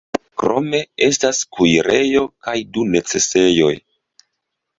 Krome estas kuirejo kaj du necesejoj.